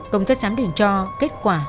công tất xám định cho kết quả